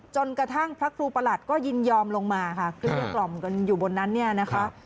กระทั่งพระครูประหลัดก็ยินยอมลงมาค่ะเกลี้ยกล่อมกันอยู่บนนั้นเนี่ยนะคะ